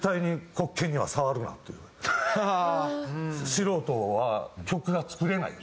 素人は曲が作れない。